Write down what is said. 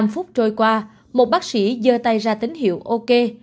năm phút trôi qua một bác sĩ dơ tay ra tín hiệu ok